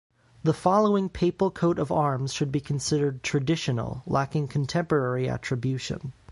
The following papal coat of arms should be considered "traditional", lacking contemporary attribution.